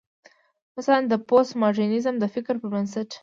مثلا: د پوسټ ماډرنيزم د فکر پر بنسټ